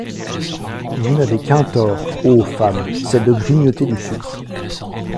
Vous n’avez qu’un tort, ô femmes, c’est de grignoter du sucre.